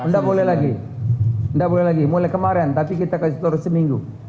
tidak boleh lagi mulai kemarin tapi kita kasih tulis seminggu